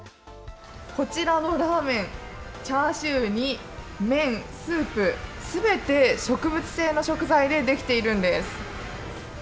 こちらのラーメン、チャーシューに麺、スープ、すべて植物性の食材で出来ているんです。